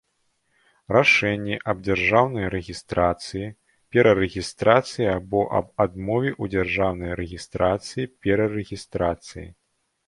Рашэнне аб дзяржаўнай рэгiстрацыi, перарэгiстрацыi або аб адмове ў дзяржаўнай рэгiстрацыi, перарэгiстрацыi.